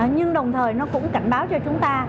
nhưng đồng thời nó cũng cảnh báo cho chúng ta